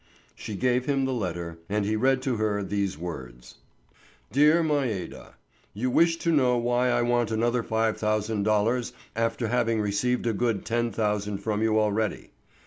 She gave him the letter and he read to her these words: DEAR MAIDA: You wish to know why I want another five thousand dollars after having received a good ten thousand from you already.